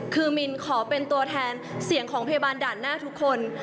คือมินขอเป็นตัวแทนเสียงของพยาบาลด่านหน้าทุกคน